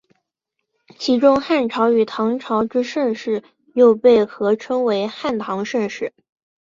其中汉朝与唐朝之盛世又被合称为汉唐盛世。